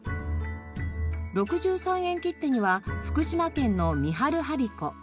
６３円切手には福島県の三春張子。